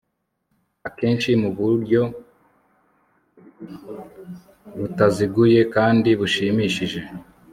akenshi mu buryo butaziguye kandi bushimishije